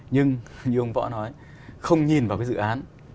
nhưng như ông võ nói không nhìn vào cái dự án